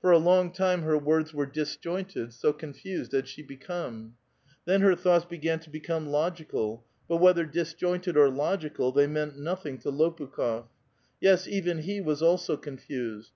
For a long time her words were disjointed, so confused had she become. Then her thoughts began to become logical, but, whether disjointed or logical, they meant nothing to Lopnkh6f. Yes, even he was also confused.